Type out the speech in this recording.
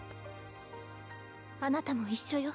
あなたも一緒よ。